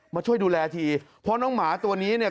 มาช่วยดูแลทีเพราะน้องหมาตัวนี้เนี่ย